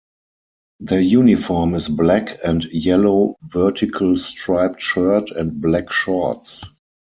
Their uniform is black and yellow vertical striped shirt and black shorts.